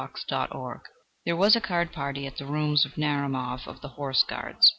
PUSHKIN I There was a card party at the rooms of Narumov of the Horse Guards.